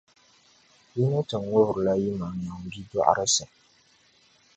Yi ni ti ŋubirila yimaŋmaŋ’ bidɔɣirisi.